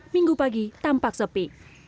minggu pagi tampak sepi